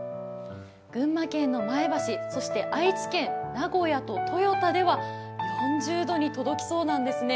群馬県の前橋は、そして愛知県の名古屋と豊田では４０度に届きそうなんですね。